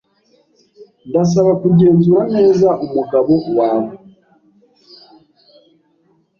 Ndasaba kugenzura neza umugabo wawe.